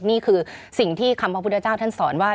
นี่คือสิ่งที่คำพระพุทธเจ้าท่านสอนว่า